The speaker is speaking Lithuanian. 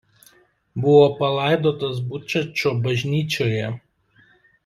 Buvo palaidotas Bučačo bažnyčioje.